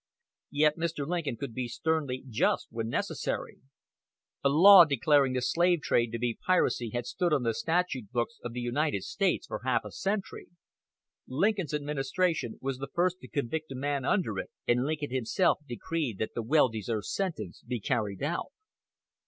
Yet Mr. Lincoln could be sternly just when necessary. A law declaring the slave trade to be piracy had stood on the statute books of the United States for half a century. Lincoln's administration was the first to convict a man under it, and Lincoln himself decreed that the well deserved sentence be carried out.